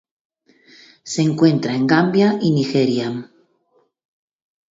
Se encuentra en Gambia y Nigeria.